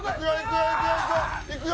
いくよ！